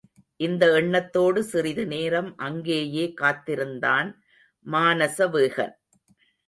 இந்த எண்ணத்தோடு சிறிது நேரம் அங்கேயே காத்திருந்தான் மானசவேகன்.